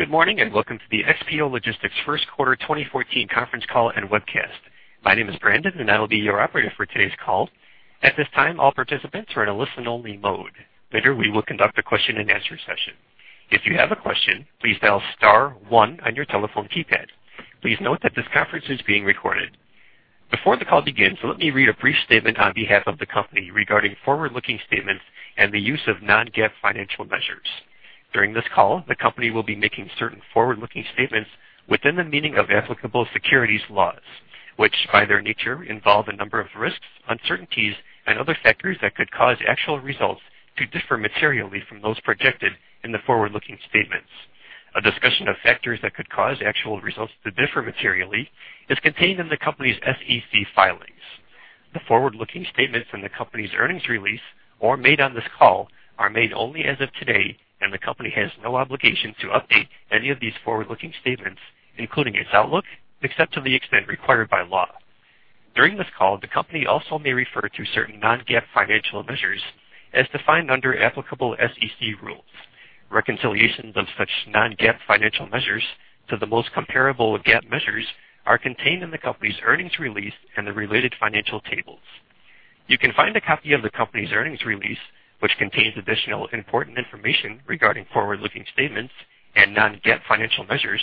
Good morning, and welcome to the XPO Logistics First Quarter 2014 Conference Call and Webcast. My name is Brandon, and I will be your operator for today's call. At this time, all participants are in a listen-only mode. Later, we will conduct a question-and-answer session. If you have a question, please dial star one on your telephone keypad. Please note that this conference is being recorded. Before the call begins, let me read a brief statement on behalf of the company regarding forward-looking statements and the use of non-GAAP financial measures. During this call, the company will be making certain forward-looking statements within the meaning of applicable securities laws, which, by their nature, involve a number of risks, uncertainties, and other factors that could cause actual results to differ materially from those projected in the forward-looking statements. A discussion of factors that could cause actual results to differ materially is contained in the company's SEC filings. The forward-looking statements in the company's earnings release or made on this call are made only as of today, and the company has no obligation to update any of these forward-looking statements, including its outlook, except to the extent required by law. During this call, the company also may refer to certain non-GAAP financial measures as defined under applicable SEC rules. Reconciliations of such non-GAAP financial measures to the most comparable GAAP measures are contained in the company's earnings release and the related financial tables. You can find a copy of the company's earnings release, which contains additional important information regarding forward-looking statements and non-GAAP financial measures,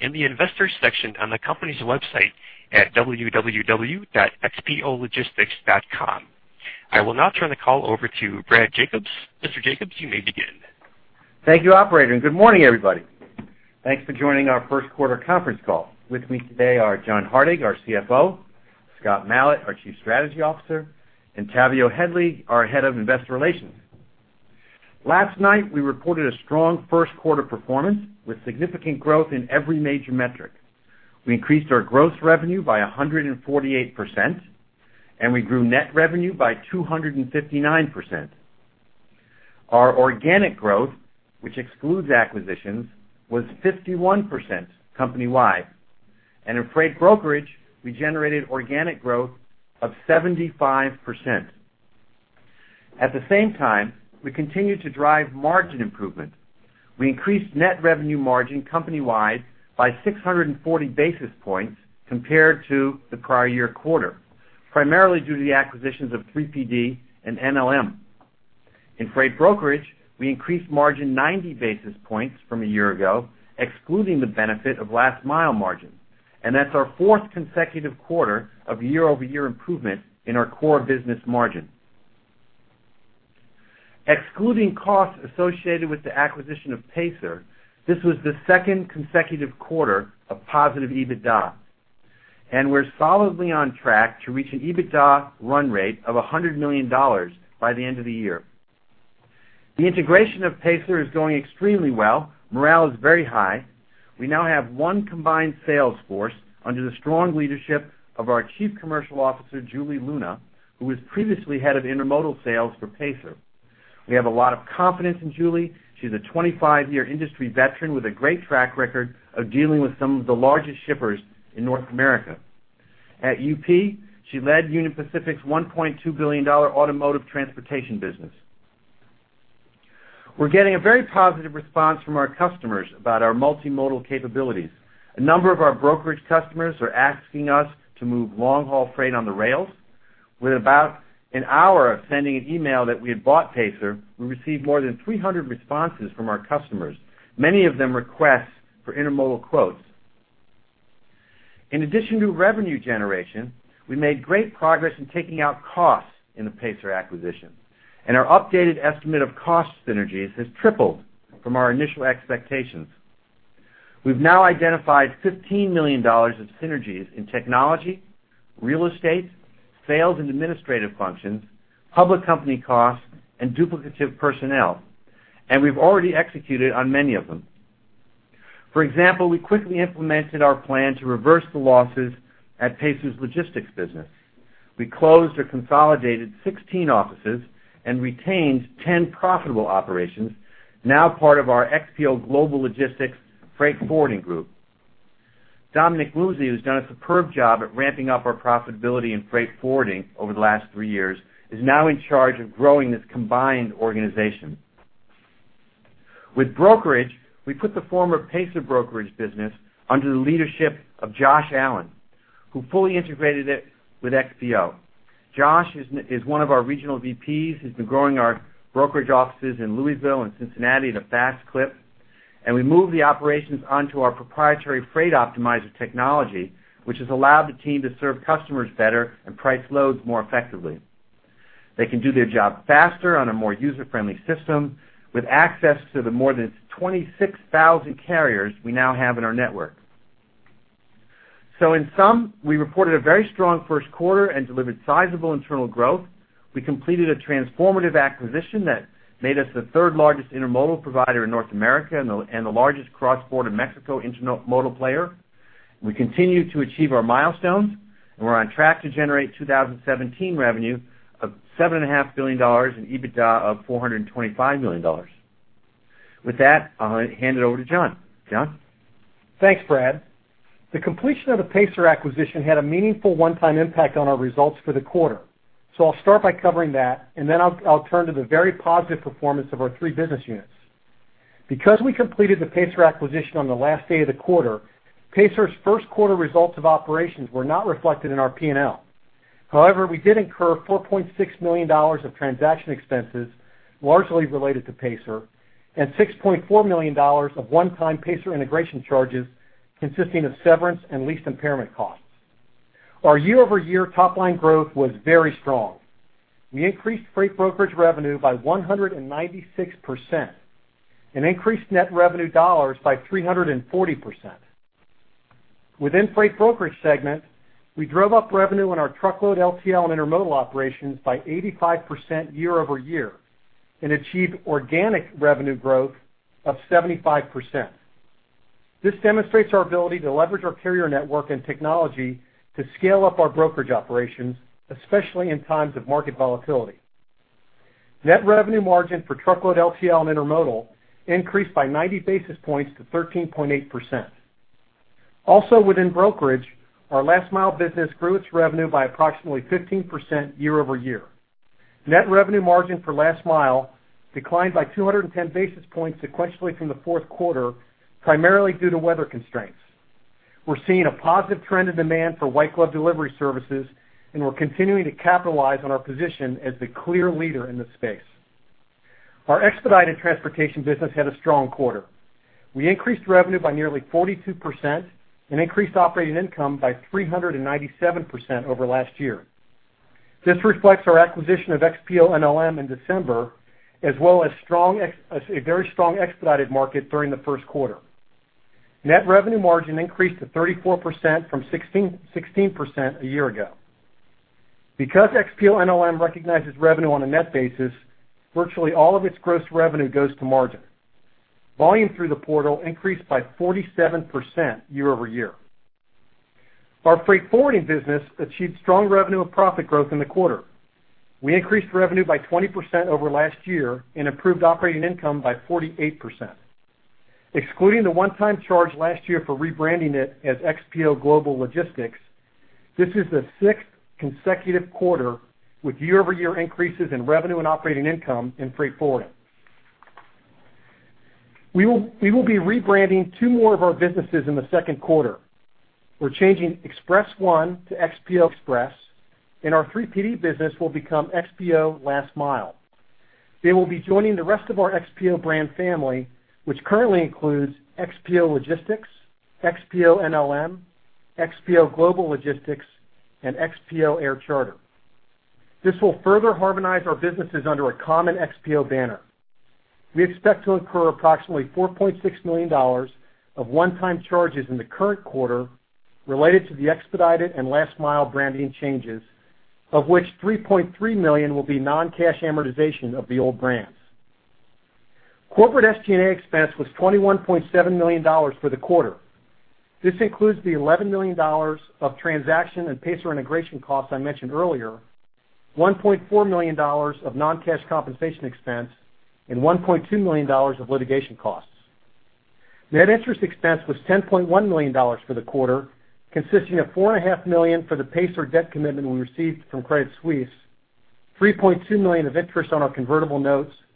in the Investors section on the company's website at www.xpologistics.com. I will now turn the call over to Brad Jacobs. Mr. Jacobs, you may begin. Thank you, operator, and good morning, everybody. Thanks for joining our first quarter conference call. With me today are John Hardig, our CFO, Scott Malat, our Chief Strategy Officer, and Tavio Headley, our Head of Investor Relations. Last night, we reported a strong first quarter performance with significant growth in every major metric. We increased our gross revenue by 148%, and we grew net revenue by 259%. Our organic growth, which excludes acquisitions, was 51% company-wide, and in freight brokerage, we generated organic growth of 75%. At the same time, we continued to drive margin improvement. We increased net revenue margin company-wide by 640 basis points compared to the prior year quarter, primarily due to the acquisitions of 3PD and NLM. In freight brokerage, we increased margin 90 basis points from a year ago, excluding the benefit of last mile margin, and that's our fourth consecutive quarter of year-over-year improvement in our core business margin. Excluding costs associated with the acquisition of Pacer, this was the second consecutive quarter of positive EBITDA, and we're solidly on track to reach an EBITDA run rate of $100 million by the end of the year. The integration of Pacer is going extremely well. Morale is very high. We now have one combined sales force under the strong leadership of our Chief Commercial Officer, Julie Luna, who was previously head of intermodal sales for Pacer. We have a lot of confidence in Julie. She's a 25-year industry veteran with a great track record of dealing with some of the largest shippers in North America. At UP, she led Union Pacific's $1.2 billion automotive transportation business. We're getting a very positive response from our customers about our multimodal capabilities. A number of our brokerage customers are asking us to move long-haul freight on the rails. With about an hour of sending an email that we had bought Pacer, we received more than 300 responses from our customers, many of them requests for intermodal quotes. In addition to revenue generation, we made great progress in taking out costs in the Pacer acquisition, and our updated estimate of cost synergies has tripled from our initial expectations. We've now identified $15 million of synergies in technology, real estate, sales and administrative functions, public company costs, and duplicative personnel, and we've already executed on many of them. For example, we quickly implemented our plan to reverse the losses at Pacer's logistics business. We closed or consolidated 16 offices and retained 10 profitable operations, now part of our XPO Global Logistics Freight Forwarding group. Dominick Luczy, who's done a superb job at ramping up our profitability in freight forwarding over the last three years, is now in charge of growing this combined organization. With brokerage, we put the former Pacer brokerage business under the leadership of Josh Allen, who fully integrated it with XPO. Josh is one of our regional VPs. He's been growing our brokerage offices in Louisville and Cincinnati at a fast clip, and we moved the operations onto our proprietary Freight Optimizer technology, which has allowed the team to serve customers better and price loads more effectively. They can do their job faster on a more user-friendly system with access to the more than 26,000 carriers we now have in our network. So in sum, we reported a very strong first quarter and delivered sizable internal growth. We completed a transformative acquisition that made us the third-largest intermodal provider in North America and the largest cross-border Mexico intermodal player. We continue to achieve our milestones, and we're on track to generate 2017 revenue of $7.5 billion in EBITDA of $425 million. With that, I'll hand it over to John. John?... Thanks, Brad. The completion of the Pacer acquisition had a meaningful one-time impact on our results for the quarter. So I'll start by covering that, and then I'll turn to the very positive performance of our three business units. Because we completed the Pacer acquisition on the last day of the quarter, Pacer's first quarter results of operations were not reflected in our P&L. However, we did incur $4.6 million of transaction expenses, largely related to Pacer, and $6.4 million of one-time Pacer integration charges, consisting of severance and lease impairment costs. Our year-over-year top line growth was very strong. We increased freight brokerage revenue by 196% and increased net revenue dollars by 340%. Within Freight Brokerage segment, we drove up revenue in our truckload, LTL, and intermodal operations by 85% year-over-year and achieved organic revenue growth of 75%. This demonstrates our ability to leverage our carrier network and technology to scale up our brokerage operations, especially in times of market volatility. Net revenue margin for truckload, LTL, and intermodal increased by 90 basis points to 13.8%. Also within brokerage, our Last Mile business grew its revenue by approximately 15% year-over-year. Net revenue margin for Last Mile declined by 210 basis points sequentially from the fourth quarter, primarily due to weather constraints. We're seeing a positive trend in demand for White Glove Delivery services, and we're continuing to capitalize on our position as the clear leader in this space. Our expedited Transportation business had a strong quarter. We increased revenue by nearly 42% and increased operating income by 397% over last year. This reflects our acquisition of XPO NLM in December, as well as strong, a very strong expedited market during the first quarter. Net revenue margin increased to 34% from 16, 16% a year ago. Because XPO NLM recognizes revenue on a net basis, virtually all of its gross revenue goes to margin. Volume through the portal increased by 47% year-over-year. Our Freight Forwarding business achieved strong revenue and profit growth in the quarter. We increased revenue by 20% over last year and improved operating income by 48%. Excluding the one-time charge last year for rebranding it as XPO Global Logistics, this is the sixth consecutive quarter with year-over-year increases in revenue and operating income in Freight Forwarding. We will, we will be rebranding two more of our businesses in the second quarter. We're changing Express-1 to XPO Express, and our 3PD business will become XPO Last Mile. They will be joining the rest of our XPO brand family, which currently includes XPO Logistics, XPO NLM, XPO Global Logistics, and XPO Air Charter. This will further harmonize our businesses under a common XPO banner. We expect to incur approximately $4.6 million of one-time charges in the current quarter related to the expedited and Last Mile branding changes, of which $3.3 million will be non-cash amortization of the old brands. Corporate SG&A expense was $21.7 million for the quarter. This includes the $11 million of transaction and Pacer integration costs I mentioned earlier, $1.4 million of non-cash compensation expense, and $1.2 million of litigation costs. Net interest expense was $10.1 million for the quarter, consisting of $4.5 million for the Pacer debt commitment we received from Credit Suisse, $3.2 million of interest on our convertible notes, and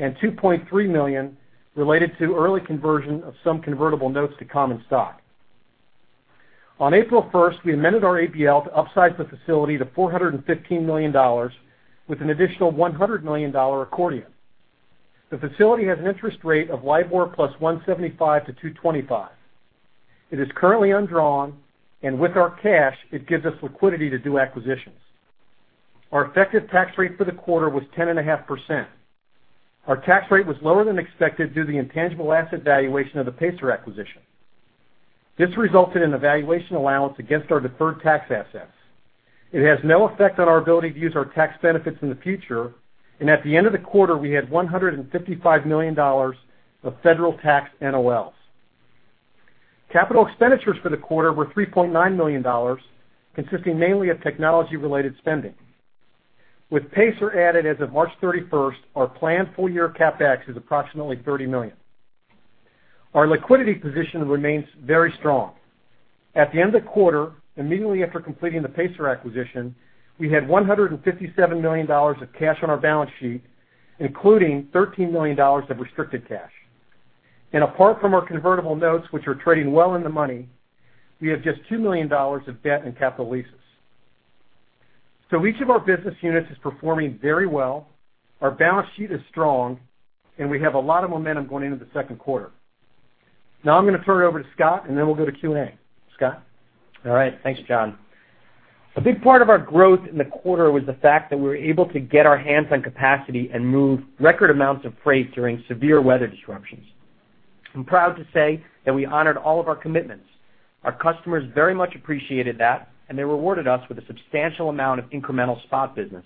$2.3 million related to early conversion of some convertible notes to common stock. On April first, we amended our ABL to upsize the facility to $415 million, with an additional $100 million accordion. The facility has an interest rate of LIBOR + 175-225. It is currently undrawn, and with our cash, it gives us liquidity to do acquisitions. Our effective tax rate for the quarter was 10.5%. Our tax rate was lower than expected due to the intangible asset valuation of the Pacer acquisition. This resulted in a valuation allowance against our deferred tax assets. It has no effect on our ability to use our tax benefits in the future, and at the end of the quarter, we had $155 million of federal tax NOLs. Capital expenditures for the quarter were $3.9 million, consisting mainly of technology-related spending. With Pacer added, as of March 31, our planned full-year CapEx is approximately $30 million. Our liquidity position remains very strong. At the end of the quarter, immediately after completing the Pacer acquisition, we had $157 million of cash on our balance sheet, including $13 million of restricted cash. Apart from our convertible notes, which are trading well in the money, we have just $2 million of debt and capital leases. So each of our business units is performing very well, our balance sheet is strong, and we have a lot of momentum going into the second quarter. Now I'm going to turn it over to Scott, and then we'll go to Q&A. Scott? All right. Thanks, John. A big part of our growth in the quarter was the fact that we were able to get our hands on capacity and move record amounts of freight during severe weather disruptions. I'm proud to say that we honored all of our commitments. Our customers very much appreciated that, and they rewarded us with a substantial amount of incremental spot business.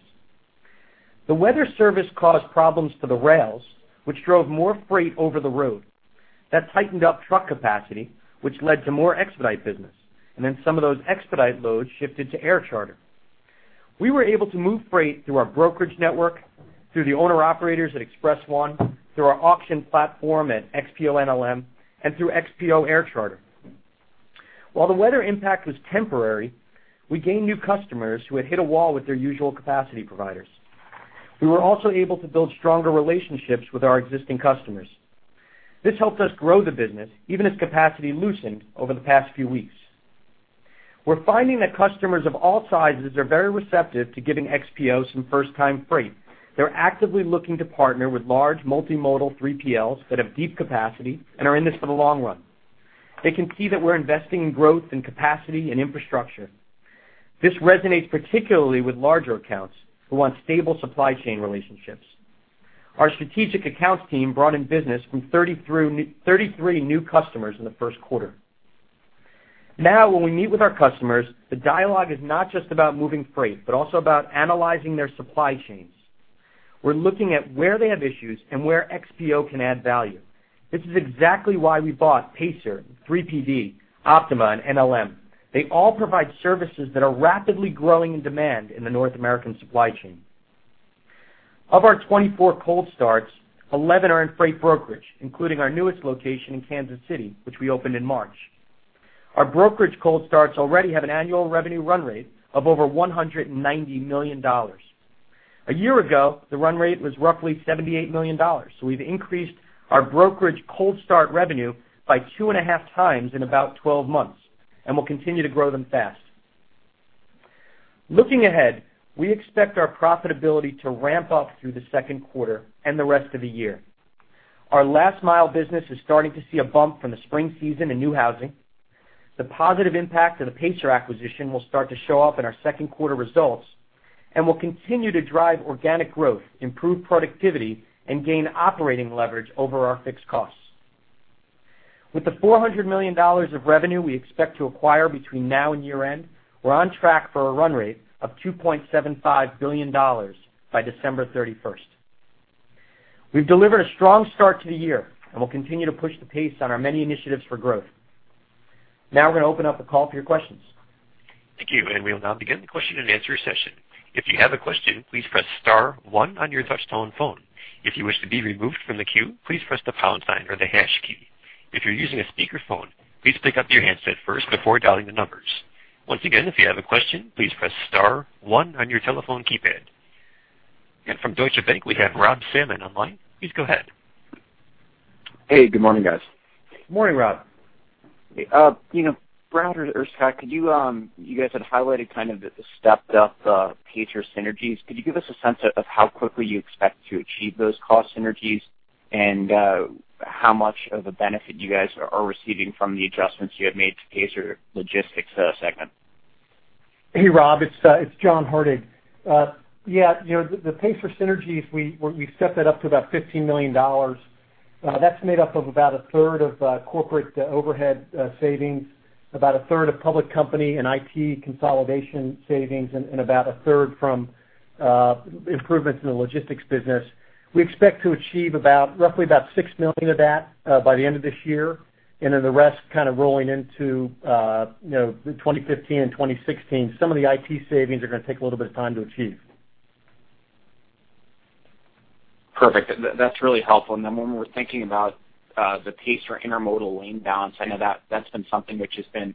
The weather service caused problems for the rails, which drove more freight over the road. That tightened up truck capacity, which led to more expedite business, and then some of those expedite loads shifted to air charter. We were able to move freight through our brokerage network, through the owner-operators at Express-1, through our auction platform at XPO NLM, and through XPO Air Charter. While the weather impact was temporary, we gained new customers who had hit a wall with their usual capacity providers. We were also able to build stronger relationships with our existing customers. This helped us grow the business, even as capacity loosened over the past few weeks. We're finding that customers of all sizes are very receptive to giving XPO some first-time freight. They're actively looking to partner with large multimodal 3PLs that have deep capacity and are in this for the long run. They can see that we're investing in growth and capacity and infrastructure. This resonates particularly with larger accounts who want stable supply chain relationships. Our strategic accounts team brought in business from 33, 33 new customers in the first quarter. Now, when we meet with our customers, the dialogue is not just about moving freight, but also about analyzing their supply chains. We're looking at where they have issues and where XPO can add value. This is exactly why we bought Pacer, 3PD, Optima, and NLM. They all provide services that are rapidly growing in demand in the North American supply chain. Of our 24 cold starts, 11 are in freight brokerage, including our newest location in Kansas City, which we opened in March. Our brokerage cold starts already have an annual revenue run rate of over $190 million. A year ago, the run rate was roughly $78 million. So we've increased our brokerage cold start revenue by 2.5 times in about 12 months, and we'll continue to grow them fast. Looking ahead, we expect our profitability to ramp up through the second quarter and the rest of the year. Our last mile business is starting to see a bump from the spring season and new housing. The positive impact of the Pacer acquisition will start to show up in our second quarter results, and we'll continue to drive organic growth, improve productivity, and gain operating leverage over our fixed costs. With the $400 million of revenue we expect to acquire between now and year-end, we're on track for a run rate of $2.75 billion by December 31st. We've delivered a strong start to the year, and we'll continue to push the pace on our many initiatives for growth. Now we're going to open up the call for your questions. Thank you. We will now begin the question-and-answer session. If you have a question, please press star one on your touchtone phone. If you wish to be removed from the queue, please press the pound sign or the hash key. If you're using a speakerphone, please pick up your handset first before dialing the numbers. Once again, if you have a question, please press star one on your telephone keypad. From Deutsche Bank, we have Rob Salmon online. Please go ahead. Hey, good morning, guys. Morning, Rob. You know, Brad or Hardig, could you, you guys had highlighted kind of the stepped up Pacer synergies. Could you give us a sense of how quickly you expect to achieve those cost synergies and how much of a benefit you guys are receiving from the adjustments you have made to Pacer Logistics segment? Hey, Rob, it's John Hardig. Yeah, you know, the Pacer synergies, we've set that up to about $15 million. That's made up of about a third of corporate overhead savings, about a third of public company and IT consolidation savings, and about a third from improvements in the logistics business. We expect to achieve about, roughly about $6 million of that by the end of this year, and then the rest kind of rolling into, you know, 2015 and 2016. Some of the IT savings are going to take a little bit of time to achieve. Perfect. That's really helpful. And then when we're thinking about the Pacer Intermodal lane balance, I know that's been something which has been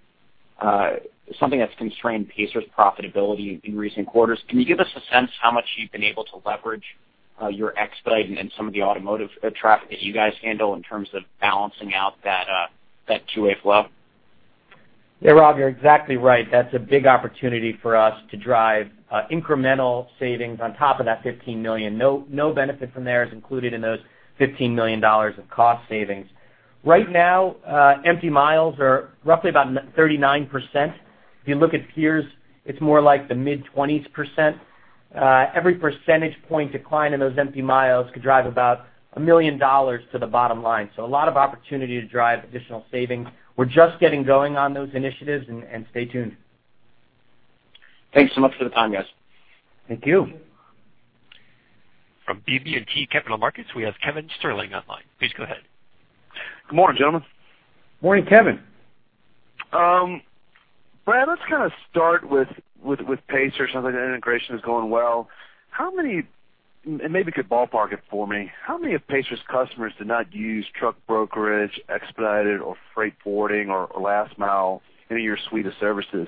something that's constrained Pacer's profitability in recent quarters. Can you give us a sense how much you've been able to leverage your expedite and some of the automotive traffic that you guys handle in terms of balancing out that that two-way flow? Yeah, Rob, you're exactly right. That's a big opportunity for us to drive incremental savings on top of that $15 million. No, no benefit from there is included in those $15 million of cost savings. Right now, empty miles are roughly about 39%. If you look at peers, it's more like the mid-20s%. Every percentage point decline in those empty miles could drive about $1 million to the bottom line. So a lot of opportunity to drive additional savings. We're just getting going on those initiatives, and stay tuned. Thanks so much for the time, guys. Thank you. From BB&T Capital Markets, we have Kevin Sterling online. Please go ahead. Good morning, gentlemen. Morning, Kevin. Brad, let's kind of start with Pacer. Sounds like the integration is going well. How many... Maybe you could ballpark it for me. How many of Pacer's customers did not use truck brokerage, expedited or freight forwarding or last mile, any of your suite of services,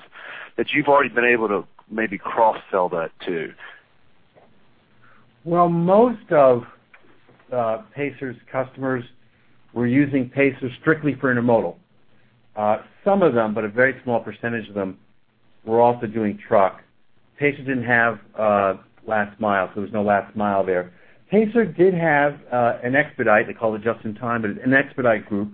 that you've already been able to maybe cross-sell that to? Well, most of Pacer's customers were using Pacer strictly for intermodal. Some of them, but a very small percentage of them, were also doing truck. Pacer didn't have last mile, so there was no last mile there. Pacer did have an expedite. They called it just in time, but an expedite group.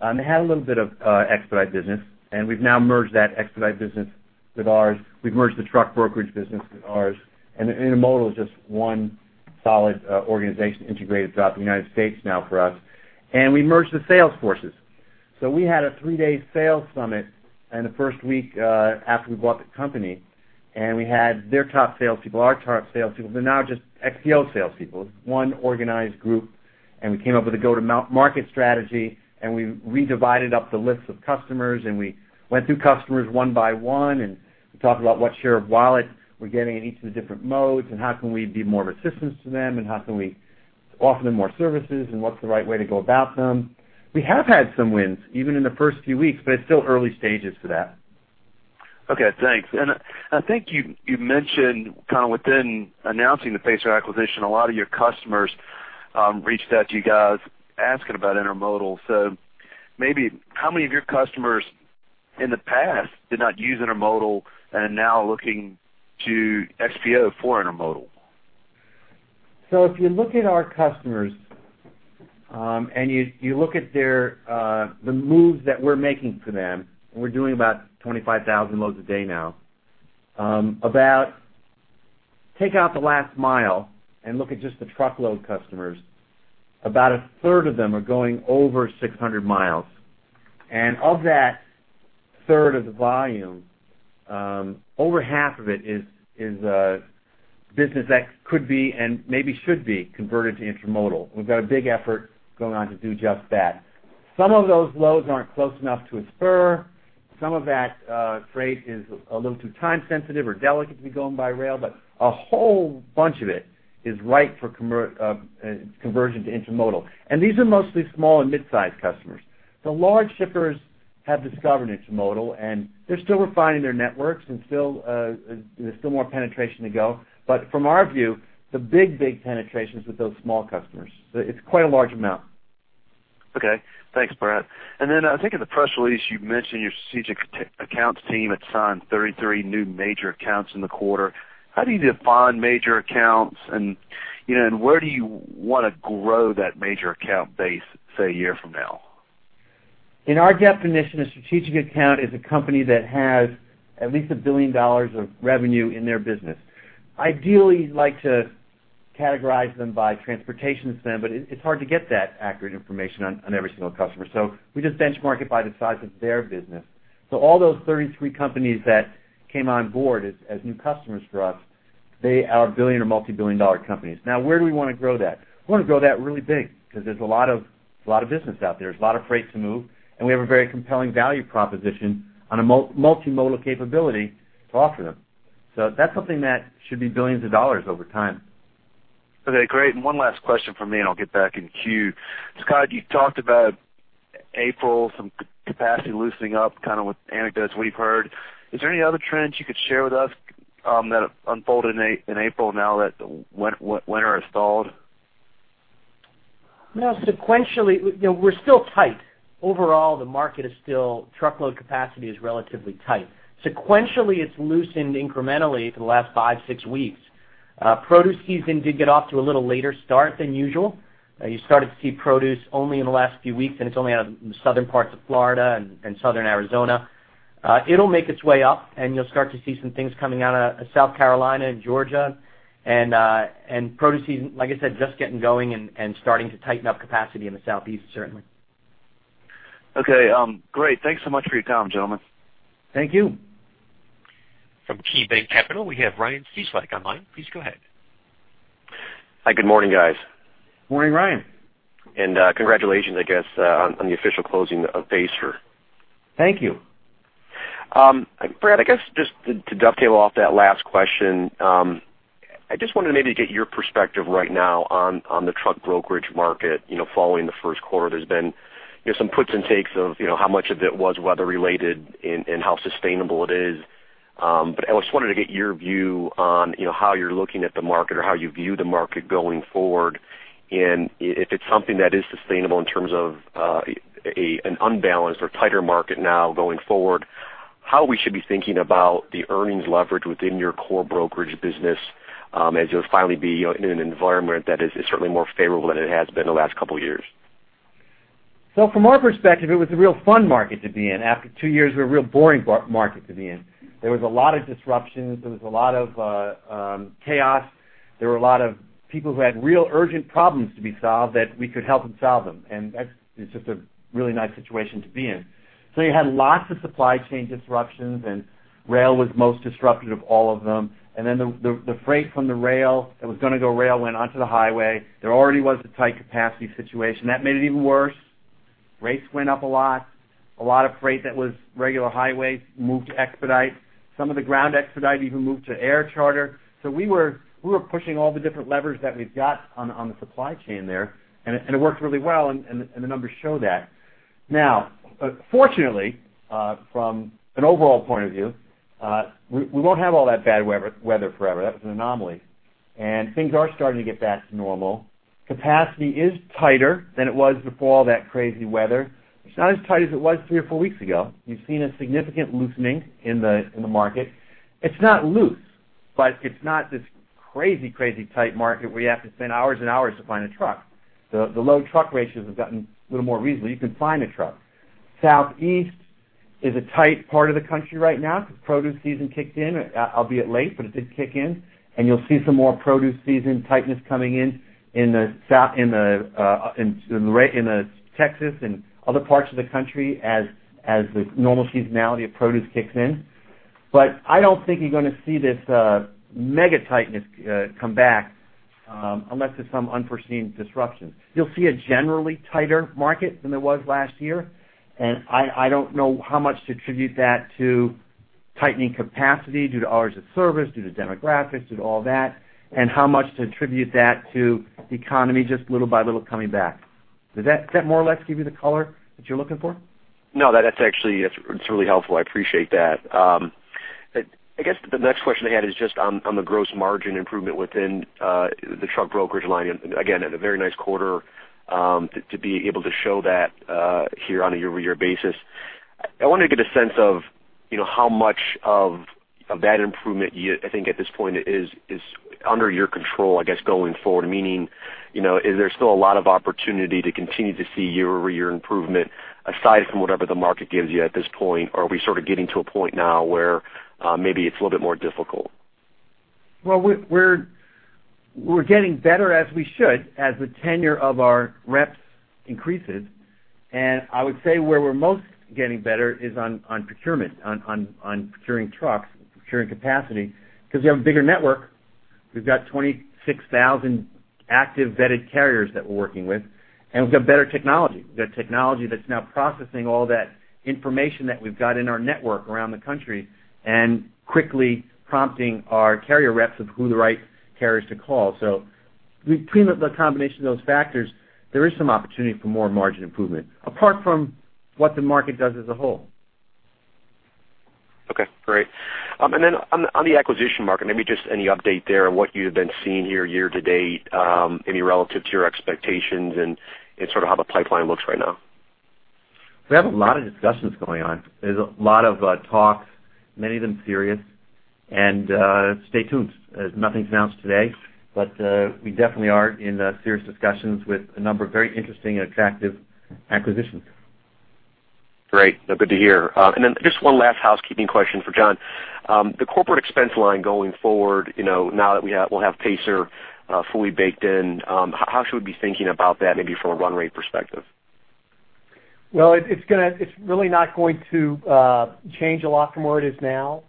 They had a little bit of expedite business, and we've now merged that expedite business with ours. We've merged the truck brokerage business with ours, and intermodal is just one solid organization integrated throughout the United States now for us, and we merged the sales forces. So we had a three-day sales summit in the first week after we bought the company, and we had their top salespeople, our top salespeople. They're now just XPO salespeople, one organized group, and we came up with a go-to-market strategy, and we redivided up the lists of customers, and we went through customers one by one, and we talked about what share of wallet we're getting in each of the different modes, and how can we be more of assistance to them, and how can we offer them more services, and what's the right way to go about them? We have had some wins, even in the first few weeks, but it's still early stages to that. Okay, thanks. And I think you mentioned kind of within announcing the Pacer acquisition, a lot of your customers reached out to you guys asking about intermodal. So maybe how many of your customers in the past did not use intermodal and are now looking to XPO for intermodal? So if you look at our customers, and you look at their moves that we're making for them, we're doing about 25,000 loads a day now. About—take out the last mile and look at just the truckload customers. About a third of them are going over 600 miles, and of that third of the volume, over half of it is business that could be and maybe should be converted to intermodal. We've got a big effort going on to do just that. Some of those loads aren't close enough to a spur. Some of that freight is a little too time sensitive or delicate to be going by rail, but a whole bunch of it is right for conversion to intermodal, and these are mostly small and mid-sized customers. The large shippers have discovered intermodal, and they're still refining their networks and still, there's still more penetration to go. But from our view, the big, big penetration is with those small customers. So it's quite a large amount. Okay. Thanks, Brad. And then I think in the press release, you mentioned your strategic accounts team had signed 33 new major accounts in the quarter. How do you define major accounts, and, you know, and where do you want to grow that major account base, say, a year from now? In our definition, a strategic account is a company that has at least $1 billion of revenue in their business. Ideally, you'd like to categorize them by transportation spend, but it's hard to get that accurate information on every single customer. So we just benchmark it by the size of their business. So all those 33 companies that came on board as new customers for us, they are billion- or multi-billion-dollar companies. Now, where do we want to grow that? We want to grow that really big because there's a lot of, there's a lot of business out there. There's a lot of freight to move, and we have a very compelling value proposition on a multimodal capability to offer them. So that's something that should be billions of dollars over time. Okay, great. And one last question from me, and I'll get back in queue. Scott, you talked about April, some capacity loosening up, kind of with anecdotes we've heard. Is there any other trends you could share with us, that have unfolded in April now that winter has stalled? Well, sequentially, you know, we're still tight. Overall, the market is still tight. Truckload capacity is relatively tight. Sequentially, it's loosened incrementally for the last five, six weeks. Produce season did get off to a little later start than usual. You started to see produce only in the last few weeks, and it's only out of the southern parts of Florida and southern Arizona. It'll make its way up, and you'll start to see some things coming out of South Carolina and Georgia. Produce season, like I said, just getting going and starting to tighten up capacity in the Southeast, certainly. Okay, great. Thanks so much for your time, gentlemen. Thank you. From KeyBanc Capital, we have Ryan Cieslak online. Please go ahead. Hi, good morning, guys. Morning, Ryan. Congratulations, I guess, on the official closing of Pacer. Thank you. Brad, I guess just to dovetail off that last question, I just wanted to maybe get your perspective right now on the truck brokerage market. You know, following the first quarter, there's been, you know, some puts and takes of, you know, how much of it was weather related and how sustainable it is. But I just wanted to get your view on, you know, how you're looking at the market or how you view the market going forward. And if it's something that is sustainable in terms of a an unbalanced or tighter market now going forward, how we should be thinking about the earnings leverage within your core brokerage business, as you'll finally be, you know, in an environment that is certainly more favorable than it has been in the last couple of years. So from our perspective, it was a real fun market to be in, after two years of a real boring market to be in. There was a lot of disruptions. There was a lot of chaos. There were a lot of people who had real urgent problems to be solved, that we could help them solve them, and that's, it's just a really nice situation to be in. So you had lots of supply chain disruptions, and rail was most disrupted of all of them. And then the freight from the rail that was going to go rail went onto the highway. There already was a tight capacity situation. That made it even worse. Rates went up a lot. A lot of freight that was regular highway moved to expedite. Some of the ground expedite even moved to air charter. So we were pushing all the different levers that we've got on the supply chain there, and it worked really well, and the numbers show that. Now, fortunately, from an overall point of view, we won't have all that bad weather forever. That was an anomaly, and things are starting to get back to normal. Capacity is tighter than it was before all that crazy weather. It's not as tight as it was three or four weeks ago. You've seen a significant loosening in the market. It's not loose, but it's not this crazy, crazy tight market where you have to spend hours and hours to find a truck. The load truck ratios have gotten a little more reasonable. You can find a truck. Southeast is a tight part of the country right now because produce season kicked in, albeit late, but it did kick in, and you'll see some more produce season tightness coming in, in the south, in Texas and other parts of the country as the normal seasonality of produce kicks in. But I don't think you're going to see this mega tightness come back.... unless there's some unforeseen disruption. You'll see a generally tighter market than there was last year, and I don't know how much to attribute that to tightening capacity due to hours of service, due to demographics, due to all that, and how much to attribute that to the economy, just little by little coming back. Does that more or less give you the color that you're looking for? No, that's actually, it's really helpful. I appreciate that. I guess the next question I had is just on the gross margin improvement within the truck brokerage line. And again, had a very nice quarter, to be able to show that here on a year-over-year basis. I want to get a sense of, you know, how much of that improvement you, I think, at this point is under your control, I guess, going forward. Meaning, you know, is there still a lot of opportunity to continue to see year-over-year improvement, aside from whatever the market gives you at this point? Or are we sort of getting to a point now where maybe it's a little bit more difficult? Well, we're getting better, as we should, as the tenure of our reps increases. I would say where we're most getting better is on procuring trucks, procuring capacity, because we have a bigger network. We've got 26,000 active vetted carriers that we're working with, and we've got better technology. We've got technology that's now processing all that information that we've got in our network around the country and quickly prompting our carrier reps of who the right carriers to call. So between the combination of those factors, there is some opportunity for more margin improvement, apart from what the market does as a whole. Okay, great. And then on the acquisition market, maybe just any update there on what you have been seeing year-to-date, any relative to your expectations and sort of how the pipeline looks right now? We have a lot of discussions going on. There's a lot of talks, many of them serious. Stay tuned. There's nothing to announce today, but we definitely are in serious discussions with a number of very interesting and attractive acquisitions. Great. Good to hear. And then just one last housekeeping question for John. The corporate expense line going forward, you know, now that we'll have Pacer fully baked in, how should we be thinking about that, maybe from a run rate perspective? Well, it's gonna. It's really not going to change a lot from where it is now,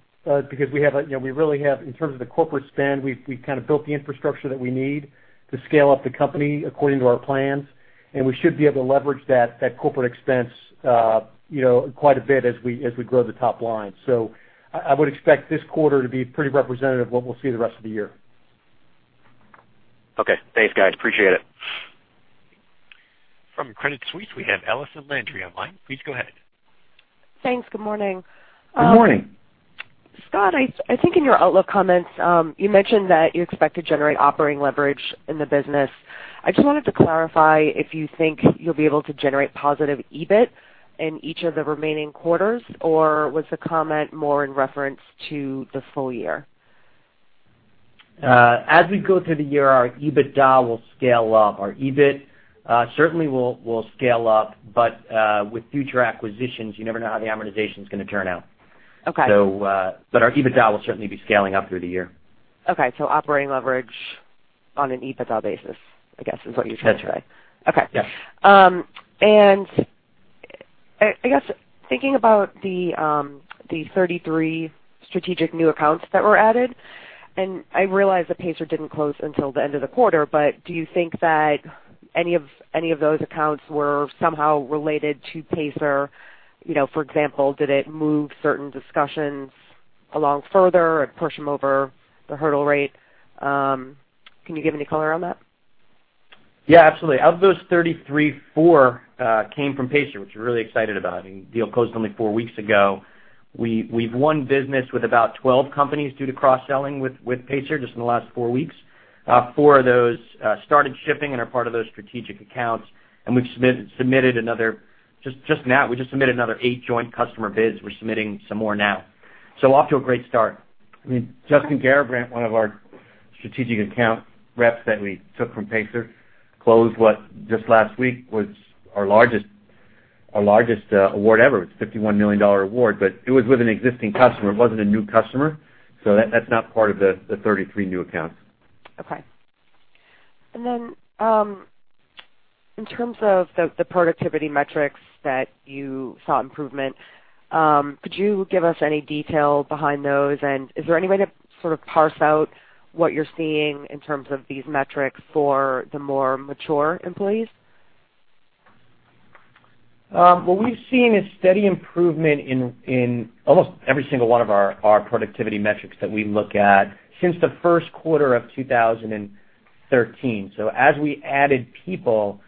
because we have, you know, we really have, in terms of the corporate spend, we've kind of built the infrastructure that we need to scale up the company according to our plans, and we should be able to leverage that corporate expense, you know, quite a bit as we grow the top line. So I would expect this quarter to be pretty representative of what we'll see the rest of the year. Okay. Thanks, guys. Appreciate it. From Credit Suisse, we have Allison Landry online. Please go ahead. Thanks. Good morning. Good morning. Scott, I think in your outlook comments, you mentioned that you expect to generate operating leverage in the business. I just wanted to clarify if you think you'll be able to generate positive EBIT in each of the remaining quarters, or was the comment more in reference to the full year? As we go through the year, our EBITDA will scale up. Our EBIT certainly will scale up, but with future acquisitions, you never know how the amortization is going to turn out. Okay. So, but our EBITDA will certainly be scaling up through the year. Okay, so operating leverage on an EBITDA basis, I guess, is what you're saying today? Yes. Okay. Yes. I guess thinking about the 33 strategic new accounts that were added, and I realize that Pacer didn't close until the end of the quarter, but do you think that any of those accounts were somehow related to Pacer? You know, for example, did it move certain discussions along further and push them over the hurdle rate? Can you give any color on that? Yeah, absolutely. Out of those 33, four came from Pacer, which we're really excited about. I mean, the deal closed only four weeks ago. We, we've won business with about 12 companies due to cross-selling with, with Pacer just in the last four weeks. Four of those started shipping and are part of those strategic accounts, and we've submitted another just, just now, we just submitted another 8 joint customer bids. We're submitting some more now. So off to a great start. I mean, Justin Garbrandt, one of our strategic account reps that we took from Pacer, closed what, just last week, was our largest, our largest award ever. It's a $51 million award, but it was with an existing customer. It wasn't a new customer, so that's not part of the, the 33 new accounts. Okay. And then, in terms of the productivity metrics that you saw improvement, could you give us any detail behind those? And is there any way to sort of parse out what you're seeing in terms of these metrics for the more mature employees? What we've seen is steady improvement in almost every single one of our productivity metrics that we look at since the first quarter of 2013. So as we added people,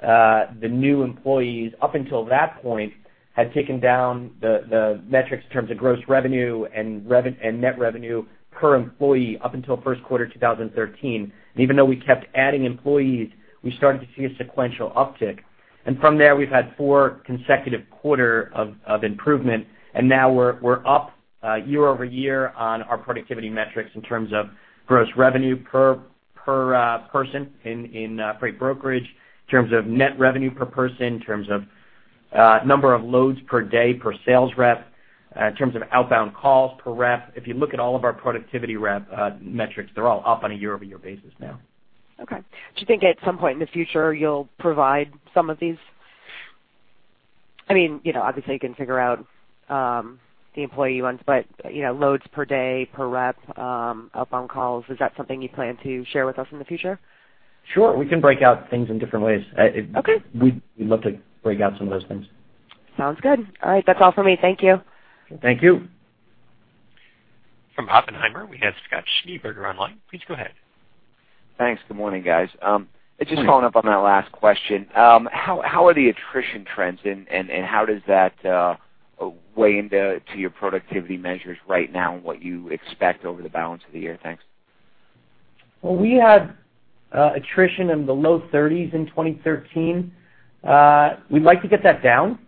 the new employees, up until that point, had taken down the metrics in terms of gross revenue and net revenue per employee up until first quarter of 2013. And even though we kept adding employees, we started to see a sequential uptick. And from there, we've had four consecutive quarter of improvement, and now we're up year-over-year on our productivity metrics in terms of gross revenue per person in freight brokerage, in terms of net revenue per person, in terms of number of loads per day per sales rep, in terms of outbound calls per rep. If you look at all of our productivity rep, metrics, they're all up on a year-over-year basis now. Okay. Do you think at some point in the future, you'll provide some of these? I mean, you know, obviously, you can figure out the employee ones, but, you know, loads per day, per rep, outbound calls. Is that something you plan to share with us in the future? Sure. We can break out things in different ways. Okay. We'd love to break out some of those things. Sounds good. All right. That's all for me. Thank you. Thank you. From Oppenheimer, we have Scott Schneeberger online. Please go ahead. Thanks. Good morning, guys. Just following up on that last question. How are the attrition trends, and how does that weigh into your productivity measures right now and what you expect over the balance of the year? Thanks. Well, we had attrition in the low 30s in 2013. We'd like to get that down.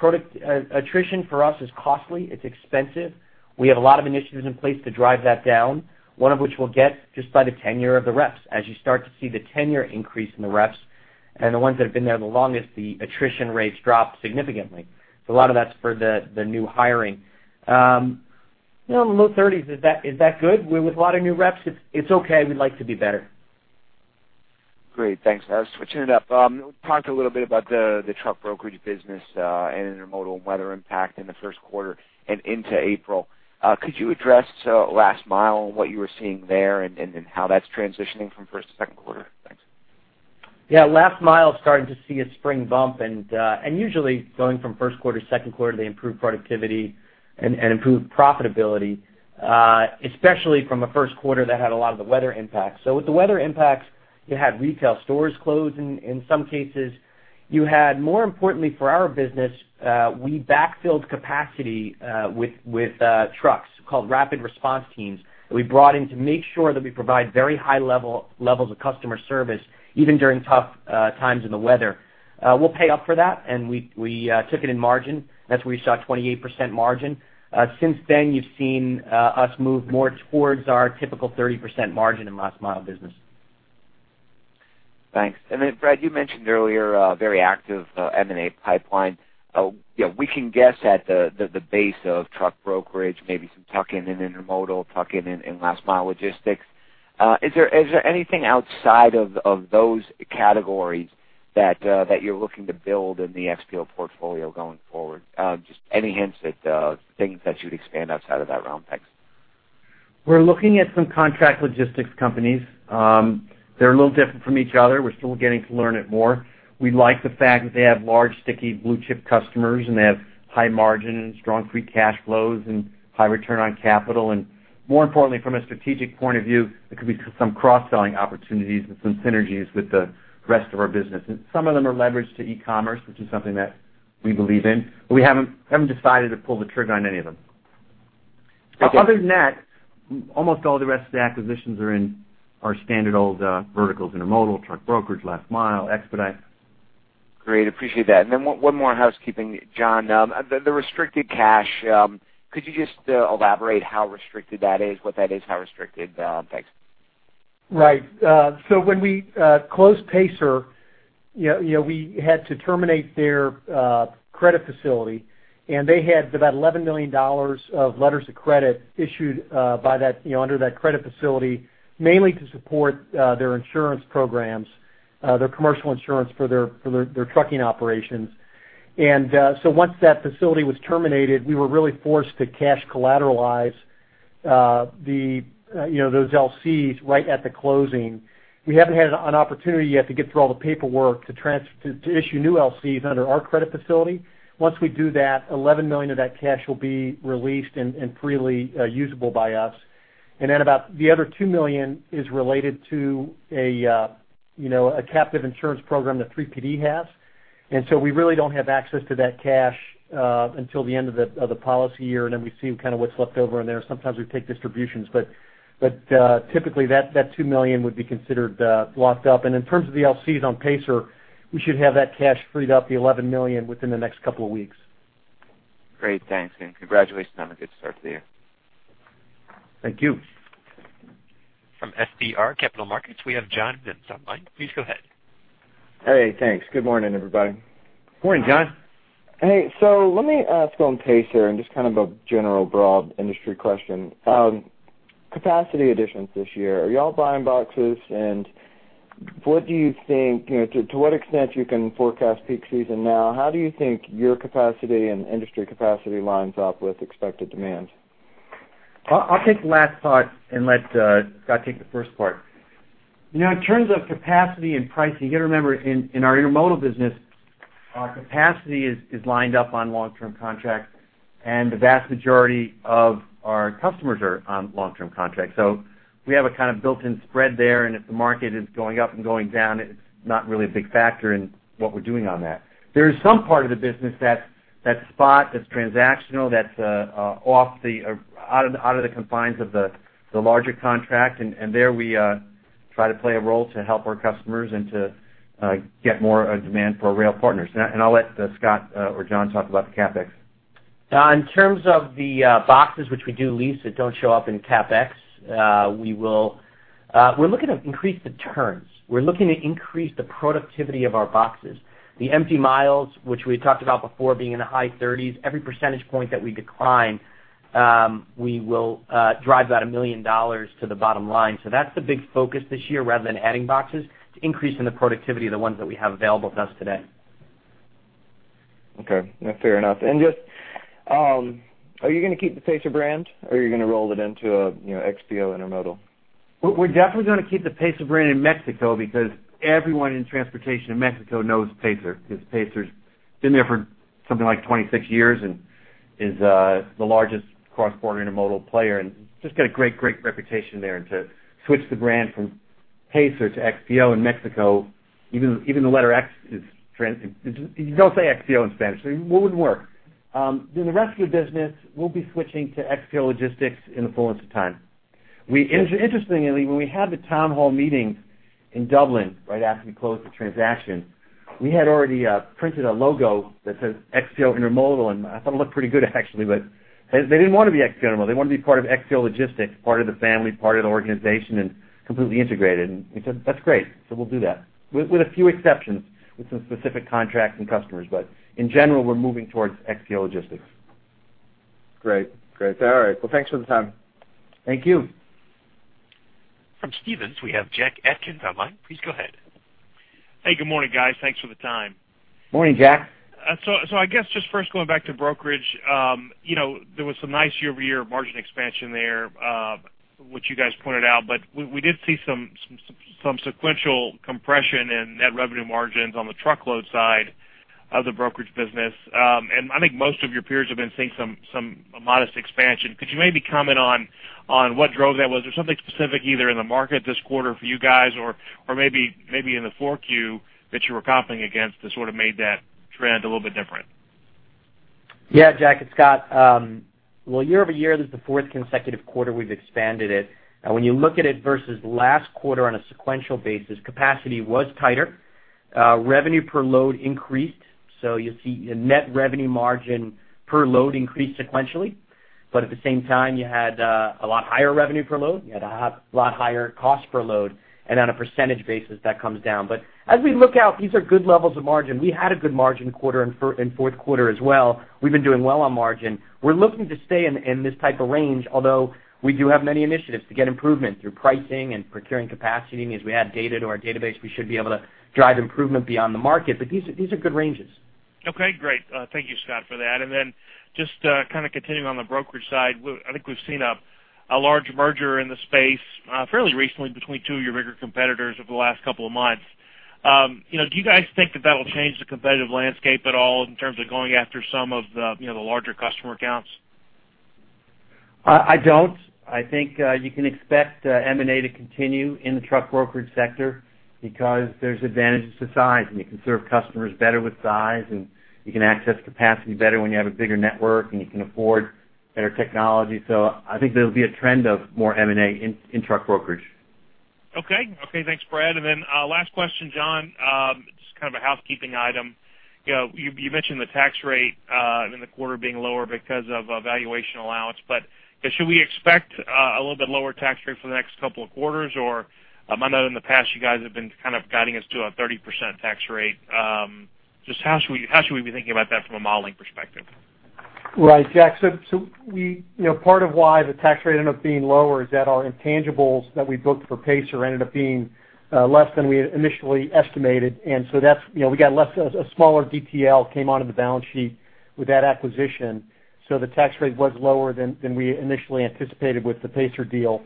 Product attrition for us is costly. It's expensive. We have a lot of initiatives in place to drive that down, one of which we'll get just by the tenure of the reps. As you start to see the tenure increase in the reps and the ones that have been there the longest, the attrition rates drop significantly. So a lot of that's for the, the new hiring. You know, in the low 30s, is that, is that good? We're with a lot of new reps, it's, it's okay. We'd like to be better. Great. Thanks. Switching it up, talk a little bit about the truck brokerage business, and intermodal weather impact in the first quarter and into April. Could you address last mile and what you were seeing there and how that's transitioning from first to second quarter? Thanks. Yeah, last mile is starting to see a spring bump, and usually going from first quarter to second quarter, they improve productivity and improve profitability, especially from a first quarter that had a lot of the weather impact. So with the weather impacts, you had retail stores closing in some cases. You had, more importantly for our business, we backfilled capacity with trucks, called rapid response teams, that we brought in to make sure that we provide very high levels of customer service, even during tough times in the weather. We'll pay up for that, and we took it in margin. That's where we saw a 28% margin. Since then, you've seen us move more towards our typical 30% margin in last mile business. Thanks. And then, Brad, you mentioned earlier, very active M&A pipeline. Yeah, we can guess at the base of truck brokerage, maybe some tuck in an Intermodal, tuck in, in last mile logistics. Is there anything outside of those categories that you're looking to build in the XPO portfolio going forward? Just any hints at things that you'd expand outside of that realm? Thanks. We're looking at some contract logistics companies. They're a little different from each other. We're still getting to learn it more. We like the fact that they have large, sticky blue chip customers, and they have high margin and strong free cash flows and high return on capital. More importantly, from a strategic point of view, it could be some cross-selling opportunities and some synergies with the rest of our business. Some of them are leveraged to e-commerce, which is something that we believe in. We haven't decided to pull the trigger on any of them. Okay. Other than that, almost all the rest of the acquisitions are in our standard old verticals, Intermodal, truck brokerage, last mile, expedite. Great. Appreciate that. And then one more housekeeping, John. The restricted cash, could you just elaborate how restricted that is, what that is, how restricted? Thanks. Right. So when we closed Pacer, you know, we had to terminate their credit facility, and they had about $11 million of letters of credit issued by that under that credit facility, mainly to support their insurance programs, their commercial insurance for their trucking operations. So once that facility was terminated, we were really forced to cash collateralize those LCs right at the closing. We haven't had an opportunity yet to get through all the paperwork to issue new LCs under our credit facility. Once we do that, $11 million of that cash will be released and freely usable by us. And then about the other $2 million is related to a captive insurance program that 3PD has. And so we really don't have access to that cash until the end of the policy year, and then we see kind of what's left over in there. Sometimes we take distributions, but typically that $2 million would be considered locked up. And in terms of the LCs on Pacer, we should have that cash freed up, the $11 million, within the next couple of weeks. Great, thanks, and congratulations on a good start to the year. Thank you. From FBR Capital Markets, we have on the line. Please go ahead. Hey, thanks. Good morning, everybody. Morning, John. Hey, so let me ask on Pacer and just kind of a general broad industry question. Capacity additions this year, are y'all buying boxes? And what do you think, you know, to what extent you can forecast peak season now, how do you think your capacity and industry capacity lines up with expected demand? I'll take the last part and let Scott take the first part. You know, in terms of capacity and pricing, you got to remember, in our Intermodal business, our capacity is lined up on long-term contracts, and the vast majority of our customers are on long-term contracts. So we have a kind of built-in spread there, and if the market is going up and going down, it's not really a big factor in what we're doing on that. There is some part of the business that's spot, that's transactional, that's out of the confines of the larger contract, and there, we try to play a role to help our customers and to get more demand for our rail partners. And I'll let Scott or John talk about the CapEx. In terms of the boxes, which we do lease, that don't show up in CapEx, we will... We're looking to increase the turns. We're looking to increase the productivity of our boxes. The empty miles, which we talked about before, being in the high thirties, every percentage point that we decline, we will drive about $1 million to the bottom line. So that's the big focus this year, rather than adding boxes, to increase in the productivity of the ones that we have available to us today.... Okay, fair enough. And just, are you going to keep the Pacer brand, or are you going to roll it into, you know, XPO Intermodal? We're definitely going to keep the Pacer brand in Mexico because everyone in transportation in Mexico knows Pacer, because Pacer's been there for something like 26 years and is the largest cross-border intermodal player, and just got a great, great reputation there. And to switch the brand from Pacer to XPO in Mexico, even, even the letter X is you don't say XPO in Spanish. So it wouldn't work. Then the rest of the business, we'll be switching to XPO Logistics in the fullness of time. We interestingly, when we had the town hall meeting in Dublin, right after we closed the transaction, we had already printed a logo that says XPO Intermodal, and I thought it looked pretty good, actually, but they, they didn't want to be XPO Intermodal. They wanted to be part of XPO Logistics, part of the family, part of the organization, and completely integrated. And we said, "That's great, so we'll do that." With a few exceptions, with some specific contracts and customers. But in general, we're moving towards XPO Logistics. Great. Great. All right. Well, thanks for the time. Thank you. From Stephens, we have Jack Atkins on the line. Please go ahead. Hey, good morning, guys. Thanks for the time. Morning, Jack. So, I guess just first going back to brokerage, you know, there was some nice year-over-year margin expansion there, which you guys pointed out, but we did see some sequential compression in net revenue margins on the truckload side of the brokerage business. And I think most of your peers have been seeing some modest expansion. Could you maybe comment on what drove that? Was there something specific, either in the market this quarter for you guys or maybe in the 4Q that you were competing against that sort of made that trend a little bit different? Yeah, Jack, it's Scott. Well, year-over-year, this is the fourth consecutive quarter we've expanded it. And when you look at it versus last quarter on a sequential basis, capacity was tighter. Revenue per load increased, so you'll see the net revenue margin per load increased sequentially. But at the same time, you had a lot higher revenue per load, you had a lot higher cost per load, and on a percentage basis, that comes down. But as we look out, these are good levels of margin. We had a good margin quarter in fourth quarter as well. We've been doing well on margin. We're looking to stay in this type of range, although we do have many initiatives to get improvement through pricing and procuring capacity. As we add data to our database, we should be able to drive improvement beyond the market. But these, these are good ranges. Okay, great. Thank you, Scott, for that. And then just kind of continuing on the brokerage side, I think we've seen a large merger in the space fairly recently between two of your bigger competitors over the last couple of months. You know, do you guys think that that will change the competitive landscape at all in terms of going after some of the, you know, the larger customer accounts? I don't. I think you can expect M&A to continue in the truck brokerage sector because there's advantages to size, and you can serve customers better with size, and you can access capacity better when you have a bigger network, and you can afford better technology. So I think there'll be a trend of more M&A in truck brokerage. Okay. Okay, thanks, Brad. And then, last question, John. Just kind of a housekeeping item. You know, you mentioned the tax rate in the quarter being lower because of a valuation allowance. But should we expect a little bit lower tax rate for the next couple of quarters? Or, I know in the past you guys have been kind of guiding us to a 30% tax rate. Just how should we be thinking about that from a modeling perspective? Right, Jack. So we... You know, part of why the tax rate ended up being lower is that our intangibles that we booked for Pacer ended up being less than we initially estimated. And so that's, you know, we got less, a smaller DTL came onto the balance sheet with that acquisition, so the tax rate was lower than we initially anticipated with the Pacer deal.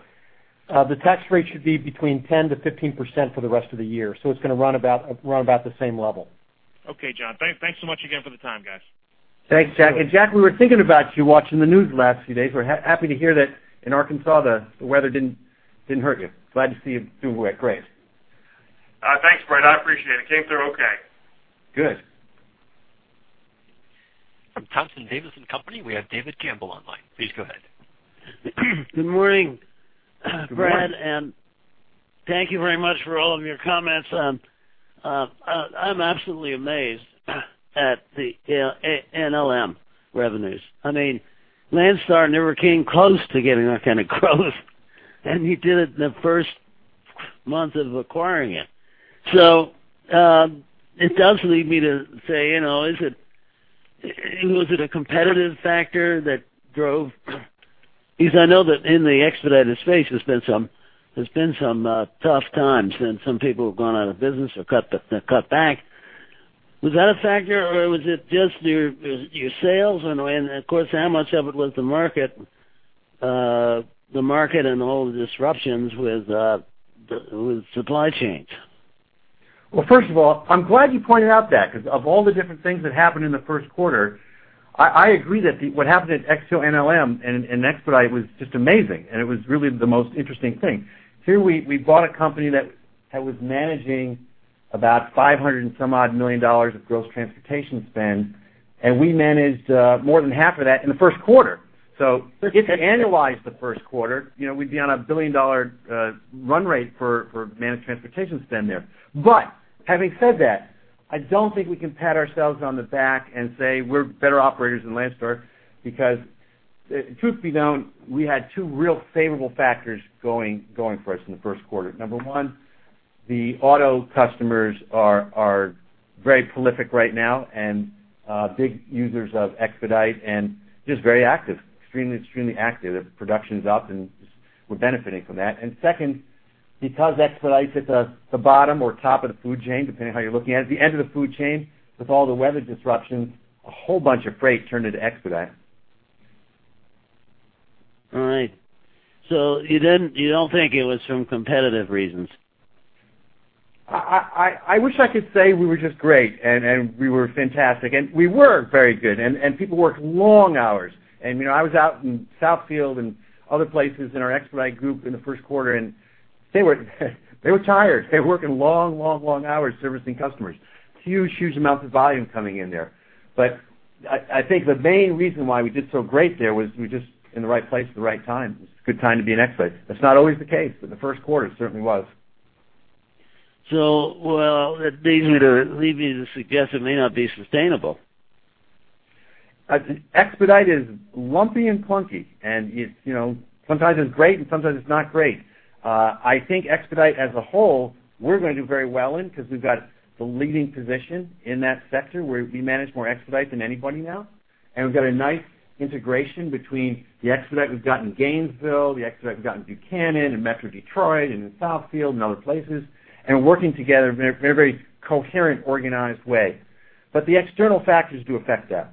The tax rate should be between 10%-15% for the rest of the year, so it's going to run about the same level. Okay, John. Thanks so much again for the time, guys. Thanks, Jack. And Jack, we were thinking about you watching the news the last few days. We're happy to hear that in Arkansas, the weather didn't hurt you. Glad to see you doing great. Thanks, Brad. I appreciate it. Came through okay. Good. From Thompson Davis & Co., we have David Campbell on the line. Please go ahead. Good morning, Brad- Good morning. And thank you very much for all of your comments. I'm absolutely amazed at the NLM revenues. I mean, Landstar never came close to getting that kind of growth, and you did it in the first month of acquiring it. So, it does lead me to say, you know, is it, was it a competitive factor that drove... Because I know that in the expedited space, there's been some, there's been some tough times, and some people have gone out of business or cut back. Was that a factor, or was it just your sales? And, of course, how much of it was the market, the market and all the disruptions with the supply chains? Well, first of all, I'm glad you pointed out that, because of all the different things that happened in the first quarter, I agree that what happened at XPO NLM and expedite was just amazing, and it was really the most interesting thing. Here we bought a company that was managing about $500 million of gross transportation spend, and we managed more than half of that in the first quarter. So if you annualize the first quarter, you know, we'd be on a $1 billion run rate for managed transportation spend there. But having said that, I don't think we can pat ourselves on the back and say we're better operators than Landstar, because truth be known, we had two real favorable factors going for us in the first quarter. Number one, the auto customers are very prolific right now and big users of expedite and just very active. Extremely, extremely active. Production is up, and just we're benefiting from that. And second... Because expedite hits the bottom or top of the food chain, depending on how you're looking at it, the end of the food chain, with all the weather disruptions, a whole bunch of freight turned into expedite. All right. So you don't think it was from competitive reasons? I wish I could say we were just great, and we were fantastic, and we were very good, and people worked long hours. You know, I was out in Southfield and other places in our expedite group in the first quarter, and they were tired. They were working long, long, long hours servicing customers. Huge, huge amounts of volume coming in there. But I think the main reason why we did so great there was we were just in the right place at the right time. It's a good time to be in expedite. That's not always the case, but the first quarter, it certainly was. Well, that leads me to suggest it may not be sustainable. Expedite is lumpy and clunky, and it's, you know, sometimes it's great, and sometimes it's not great. I think expedite, as a whole, we're going to do very well in because we've got the leading position in that sector, where we manage more expedite than anybody now. And we've got a nice integration between the expedite we've got in Gainesville, the expedite we've got in Buchanan, in Metro Detroit, and in Southfield and other places, and working together in a very coherent, organized way. But the external factors do affect that.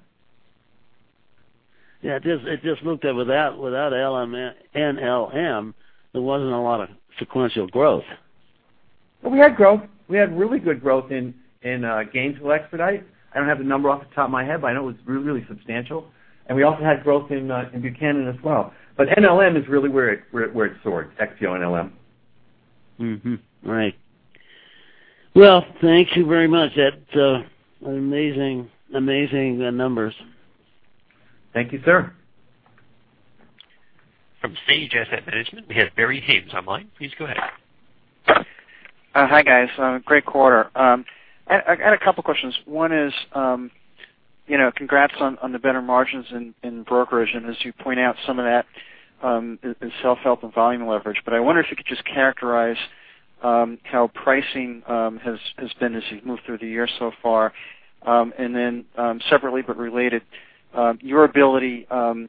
Yeah, it just looked that without NLM, there wasn't a lot of sequential growth. Well, we had growth. We had really good growth in Gainesville expedite. I don't have the number off the top of my head, but I know it was really substantial. We also had growth in Buchanan as well. But NLM is really where it soared, XPO NLM. Mm-hmm. Right. Well, thank you very much. That's amazing, amazing numbers. Thank you, sir. From Sage Asset Management, we have Barry Haimes online. Please go ahead. Hi, guys. Great quarter. I got a couple questions. One is, you know, congrats on the better margins in brokerage. And as you point out, some of that is self-help and volume leverage. But I wonder if you could just characterize how pricing has been as you've moved through the year so far? And then, separately, but related, your ability to reprice, you know,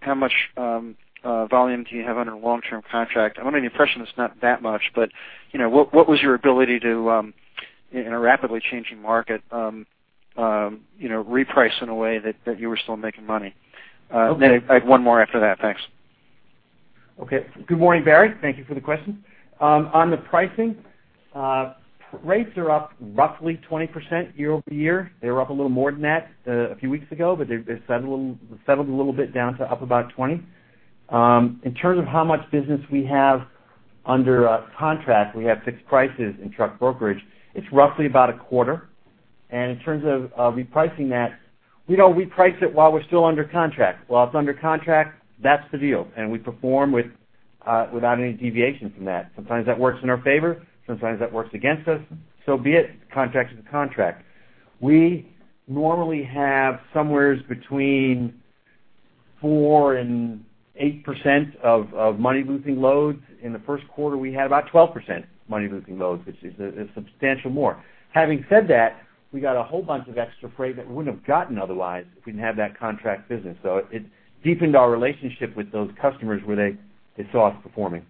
how much volume do you have under long-term contract? I'm under the impression it's not that much, but, you know, what was your ability to, in a rapidly changing market, you know, reprice in a way that you were still making money? Okay. I have one more after that. Thanks. Okay. Good morning, Barry. Thank you for the question. On the pricing, rates are up roughly 20% year-over-year. They were up a little more than that a few weeks ago, but they've, they've settled a little, settled a little bit down to up about 20. In terms of how much business we have under contract, we have fixed prices in truck brokerage. It's roughly about a quarter. And in terms of repricing that, we don't reprice it while we're still under contract. While it's under contract, that's the deal, and we perform with without any deviation from that. Sometimes that works in our favor, sometimes that works against us. So be it. A contract is a contract. We normally have somewhere between 4% and 8% of money-losing loads. In the first quarter, we had about 12% money-losing loads, which is substantially more. Having said that, we got a whole bunch of extra freight that we wouldn't have gotten otherwise if we didn't have that contract business. So it deepened our relationship with those customers where they saw us performing.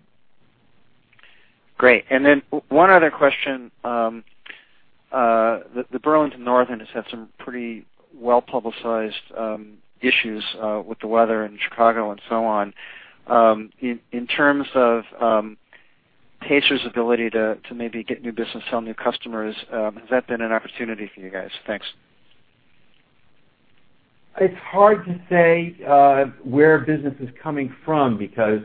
Great. And then one other question. The Burlington Northern has had some pretty well-publicized issues with the weather in Chicago and so on. In terms of Pacer's ability to maybe get new business, sell new customers, has that been an opportunity for you guys? Thanks. It's hard to say where business is coming from because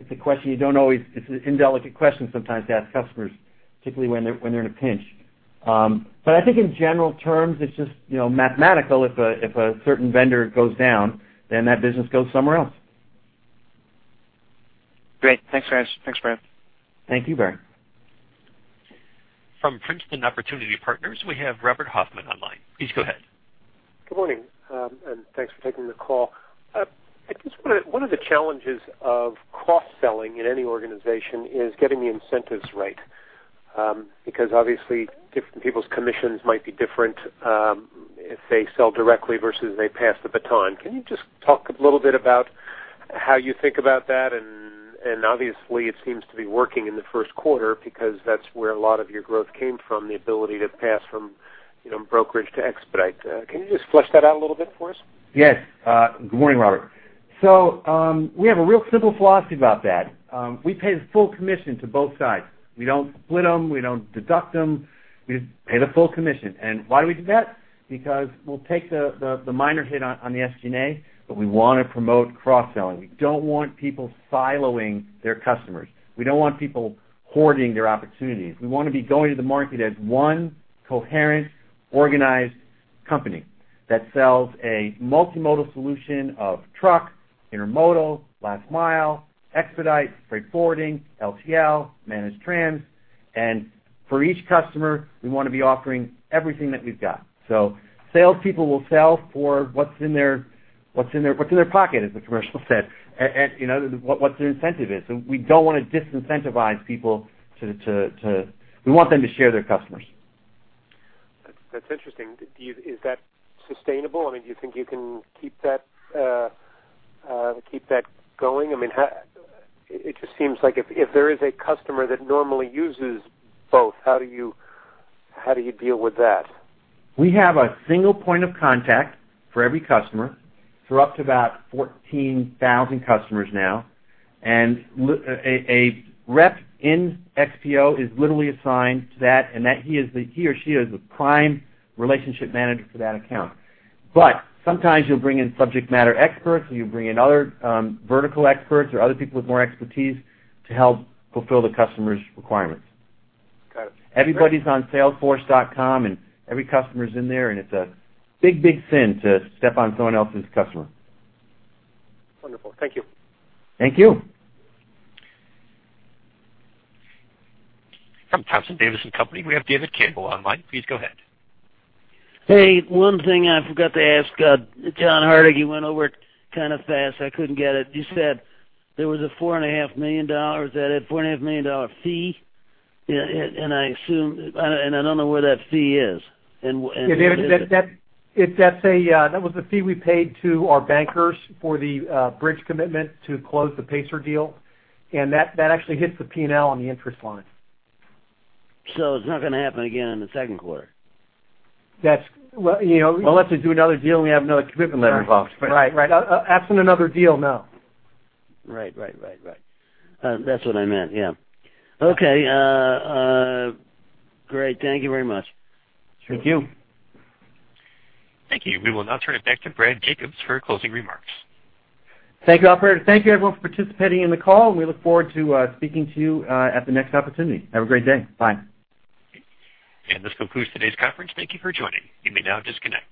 it's a question you don't always... It's an indelicate question sometimes to ask customers, particularly when they're, when they're in a pinch. But I think in general terms, it's just, you know, mathematical. If a, if a certain vendor goes down, then that business goes somewhere else. Great. Thanks very much. Thanks, Brad. Thank you, Barry. From Princeton Opportunity Partners, we have Robert Hoffman online. Please go ahead. Good morning, and thanks for taking the call. I just wonder, one of the challenges of cross-selling in any organization is getting the incentives right, because obviously, different people's commissions might be different, if they sell directly versus they pass the baton. Can you just talk a little bit about how you think about that? And obviously, it seems to be working in the first quarter because that's where a lot of your growth came from, the ability to pass from, you know, brokerage to expedite. Can you just flesh that out a little bit for us? Yes. Good morning, Robert. So, we have a real simple philosophy about that. We pay the full commission to both sides. We don't split them, we don't deduct them. We pay the full commission. And why do we do that? Because we'll take the minor hit on the SG&A, but we want to promote cross-selling. We don't want people siloing their customers. We don't want people hoarding their opportunities. We want to be going to the market as one coherent, organized company that sells a multimodal solution of truck, intermodal, last mile, expedite, freight forwarding, LTL, managed trans. And for each customer, we want to be offering everything that we've got. So salespeople will sell for what's in their pocket, as the commercial said, and you know, what their incentive is. So we don't want to disincentivize people to... We want them to share their customers.... That's interesting. Do you? Is that sustainable? I mean, do you think you can keep that, keep that going? I mean, how? It just seems like if there is a customer that normally uses both, how do you, how do you deal with that? We have a single point of contact for every customer, for up to about 14,000 customers now. And a rep in XPO is literally assigned to that, and that he or she is the prime relationship manager for that account. But sometimes you'll bring in subject matter experts, or you bring in other, vertical experts or other people with more expertise to help fulfill the customer's requirements. Got it. Everybody's on Salesforce.com, and every customer's in there, and it's a big, big sin to step on someone else's customer. Wonderful. Thank you. Thank you. From Thompson Davis & Co., we have David Campbell online. Please go ahead. Hey, one thing I forgot to ask, John Hardig, you went over it kind of fast. I couldn't get it. You said there was $4.5 million. Is that a $4.5 million fee? And I assume... And I don't know where that fee is, and- David, that's a... That was the fee we paid to our bankers for the bridge commitment to close the Pacer deal, and that actually hits the P&L on the interest line. It's not gonna happen again in the second quarter? That's, well, you know- Unless we do another deal, and we have another commitment letter involved. Right, right. Absent another deal, no. Right, right, right, right. That's what I meant. Yeah. Okay, great. Thank you very much. Thank you. Thank you. We will now turn it back to Brad Jacobs for closing remarks. Thank you, operator. Thank you, everyone, for participating in the call. We look forward to speaking to you at the next opportunity. Have a great day. Bye. This concludes today's conference. Thank you for joining. You may now disconnect.